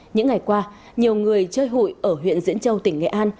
những ngày qua nhiều người chơi hụi ở huyện diễn châu tỉnh nghệ an